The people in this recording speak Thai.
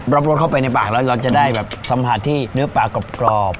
รสเข้าไปในปากแล้วเราจะได้แบบสัมผัสที่เนื้อปลากรอบ